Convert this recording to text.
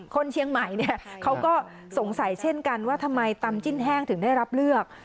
คนเชียงใหม่เนี่ยเขาก็สงสัยเช่นกันว่าทำไมตำจิ้นแห้งถึงได้รับเลือก